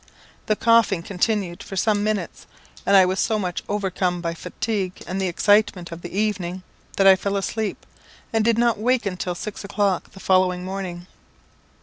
The coughing continued for some minutes, and I was so much overcome by fatigue and the excitement of the evening that I fell asleep, and did not awake until six o'clock the following morning.